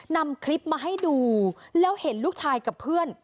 นำคลิปมาให้ดูแล้วเห็นลูกชายกับเพื่อน